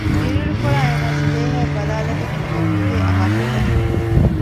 އިރުއިރުކޮޅާ އޭނާ ޒުލޭހާއަށް ބަލާލަނީ ކިހިނެއްވީހޭ އަހާ ފަދައިން